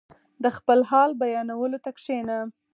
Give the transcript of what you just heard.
• د خپل حال بیانولو ته کښېنه.